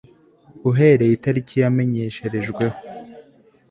uhereye itariki yamenyesherejweho